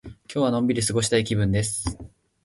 今日はのんびり過ごしたい気分です。